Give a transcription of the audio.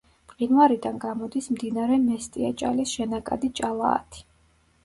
მყინვარიდან გამოდის მდინარე მესტიაჭალის შენაკადი ჭალაათი.